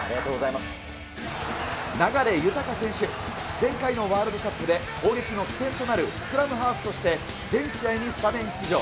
前回のワールドカップで、攻撃の起点となるスクラムハーフとして全試合にスタメン出場。